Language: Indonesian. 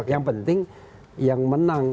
yang penting yang menang